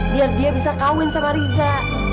biar dia bisa kawin sama riza